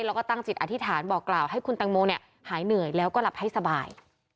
แล้วก็ตั้งจิตอธิษฐานบอกกล่าวให้คุณตังโมหายเหนื่อยแล้วก็หลับให้สบาย